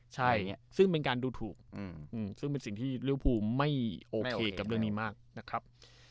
ใช่ซึ่งเป็นการดูถูกซึ่งเป็นสิ่งที่ริวภูไม่โอเคกับเรื่องนี้มากนะครับ